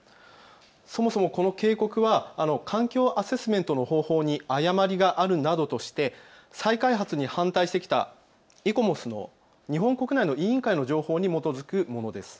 そもそもこの警告は環境アセスメントの方法に誤りがあるなどとして再開発に反対してきたイコモスの日本国内の委員会の情報に基づくものです。